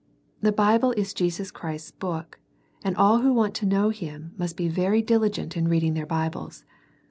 The Bible is Jesus Christ's book, and all who want to know Him must be very diligent in reading their Bibles.